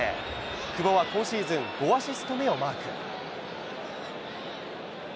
久保は今シーズン、５アシスト目をマーク。